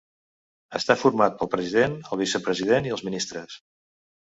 Està format pel president, el vicepresident i els ministres.